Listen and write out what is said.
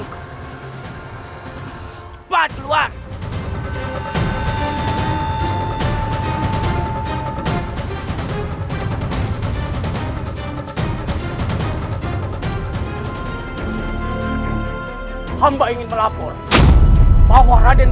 hai kepa keluar hai hai hai hai hai hai hai hai hai hamba ingin melapor bahwa raden